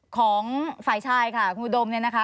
ของฝ่ายชายค่ะคุณอุดมนะคะ